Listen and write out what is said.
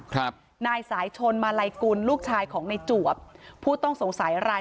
ครับนายสายชนมาลัยกุลลูกชายของในจวบผู้ต้องสงสัยราย